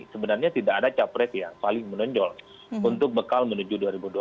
sebenarnya tidak ada capres yang paling menonjol untuk bekal menuju dua ribu dua puluh